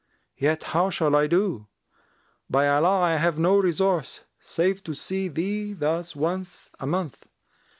Yet how shall I do? By Allah, I have no resource save to see thee thus once a month.'